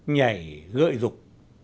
nhảy gợi rục